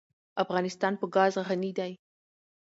افغانستان په ګاز غني دی.